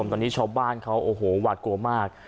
ตอนนี้ช้อบ้านเขาหวาดกลัวมาก